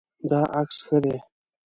دا عکس ښه دی